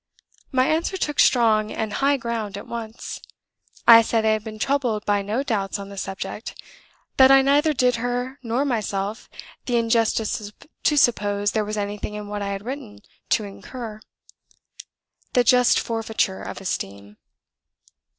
My answer took strong and high ground at once. I said I had been troubled by no doubts on the subject; that I neither did her nor myself the injustice to suppose there was anything in what I had written to incur the just forfeiture of esteem.